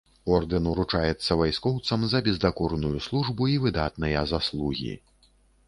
Ордэн уручаецца вайскоўцам за бездакорную службу і выдатныя заслугі.